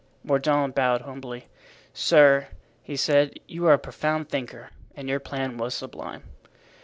Mordaunt bowed humbly. "Sir," he said, "you are a profound thinker and your plan was sublime."